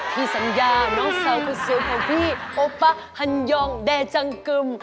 พี่สัญญาน้องสาวคนสวยของพี่โอปะฮันยองแดจังกึม